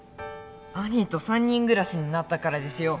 兄と３人暮らしになったからですよ。